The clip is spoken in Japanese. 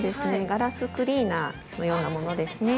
ガラスクリーナーのようなものですね。